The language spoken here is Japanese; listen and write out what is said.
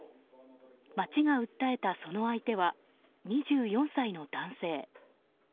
町が訴えたその相手は２４歳の男性。